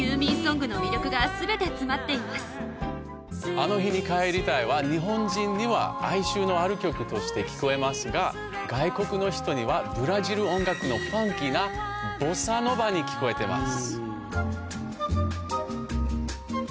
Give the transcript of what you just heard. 『あの日にかえりたい』は日本人には。として聴こえますが外国の人にはブラジル音楽のファンキーなボサノバに聴こえてます。